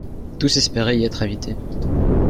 tous espéraient y être invités.